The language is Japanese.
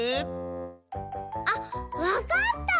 あっわかった！